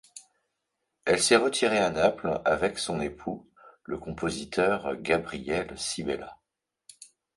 Elle s'est retirée à Naples, avec son époux, le compositeur Gabriele Sibella.